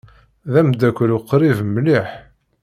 D ameddakel uqrib mliḥ.